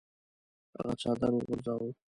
هغه څادر وغورځاوه.